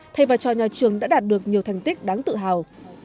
thầy và trò nhà trường đã đạt được nhiều thành tích đáng tự hào